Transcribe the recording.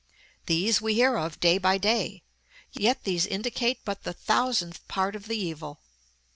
These we hear of, day by day: yet these indicate but the thousandth part of the evil.